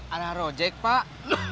arah rojek pak